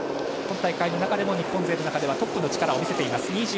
今大会の中でも日本勢の中ではトップの力を見せています。